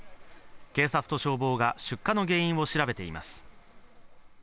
警察と消防が出火の原因を調べています。